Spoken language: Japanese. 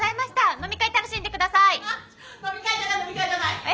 飲み会楽しんで下さい！